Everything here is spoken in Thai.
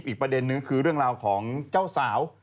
อีกประเด็นนึงคือเรื่องราวของเจ้าสาว